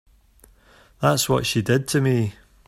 That's what she did to me.